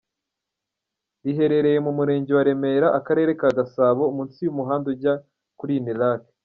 Riherereye mu murenge wa Remera, akarere ka Gasabo, munsi y’umuhanda ujya kuri Unilak.